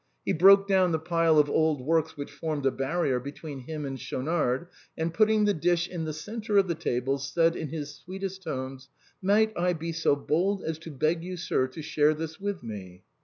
He broke down the pile of old works which formed a barrier between him and Schaunard, and putting the dish in the centre of the table, said, in his sweetest tones :" Might I be so bold as to beg you, sir, to share this with me?"